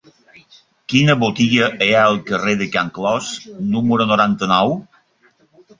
Quina botiga hi ha al carrer de Can Clos número noranta-nou?